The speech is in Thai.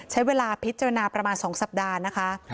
ใช้เวลาพิจารณาประมาณ๒สัปดาห์นะคะ